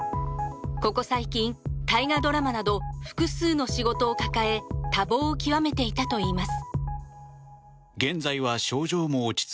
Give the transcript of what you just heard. ここ最近、大河ドラマなど複数の仕事を抱え多忙を極めていたといいます。